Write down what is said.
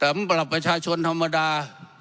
สำหรับประชาชนธรรมดา